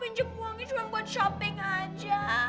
pinjam uang itu cuma buat shopping aja